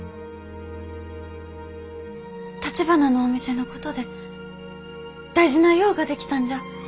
たちばなのお店のことで大事な用ができたんじゃ。